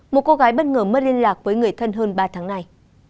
một cô gái bất ngờ mất liên lạc với người thân hơn ba tháng này